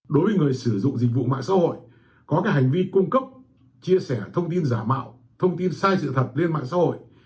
đối với người sử dụng dịch vụ mạng xã hội có hành vi cung cấp chia sẻ thông tin giả mạo thông tin sai sự thật lên mạng xã hội